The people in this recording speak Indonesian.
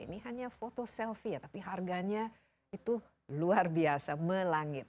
ini hanya foto selfie ya tapi harganya itu luar biasa melangit